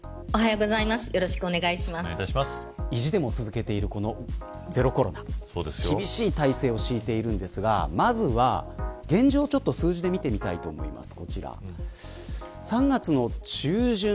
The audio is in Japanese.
意地でも続けているこのゼロコロナ厳しい体制を敷いているんですがまずは現状をちょっと数字で見ていきたいと思います。